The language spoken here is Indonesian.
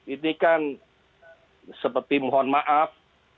ini kan seperti mohon maaf